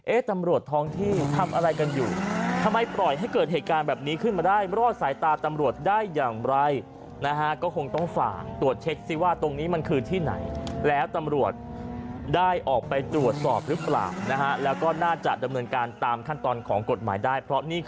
เอ๊ะตำรวจทองที่ทำอะไรกันอยู่ทำไมปล่อยให้เกิดเหตุการณ์แบบนี้ขึ้นมาได้